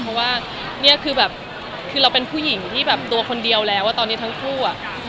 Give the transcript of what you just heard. เพราะว่านี่คือแบบคือเราเป็นผู้หญิงที่แบบตัวคนเดียวแล้วตอนนี้ทั้งคู่อะ